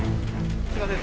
すいません。